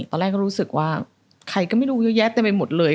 ตอนแรกก็รู้สึกว่าใครก็ไม่รู้เยอะแยะเต็มไปหมดเลย